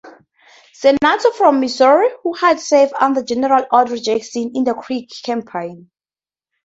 Senator from Missouri, who had served under General Andrew Jackson in the Creek Campaign.